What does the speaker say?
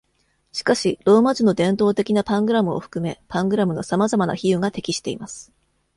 しかし、ローマ字の伝統的なパングラムを含め、パングラムのさまざまな比喩が適しています。